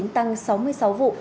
tăng sáu mươi sáu vụ